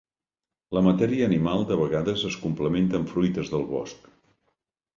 La matèria animal de vegades es complementa amb fruites del bosc.